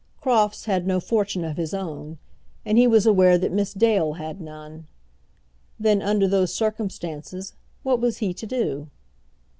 Crofts had no fortune of his own, and he was aware that Miss Dale had none. Then, under those circumstances, what was he to do?